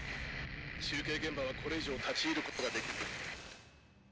中継現場はこれ以上立ち入る事ができず。